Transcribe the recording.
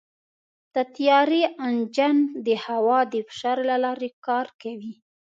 د طیارې انجن د هوا د فشار له لارې کار کوي.